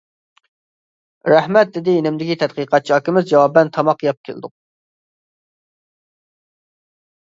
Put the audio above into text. -رەھمەت، -دېدى يېنىمدىكى تەتقىقاتچى ئاكىمىز جاۋابەن، -تاماق يەپ كەلدۇق.